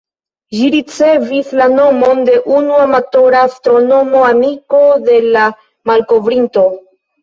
Ĝi ricevis la nomon de unu amatora astronomo, amiko de la malkovrinto.